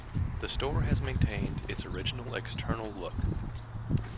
The store has maintained its original external look.